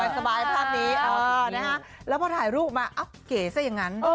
สบายภาพนี้แล้วพอถ่ายรูปมาเอ้าเก๋ซะอย่างนั้น